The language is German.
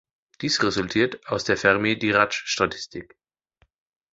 Dies resultiert aus der Fermi-Dirac-Statistik.